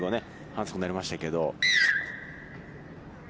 反則になりましたけど。